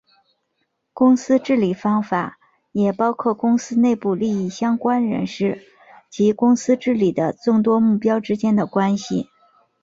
公司治理方法也包括公司内部利益相关人士及公司治理的众多目标之间的关系。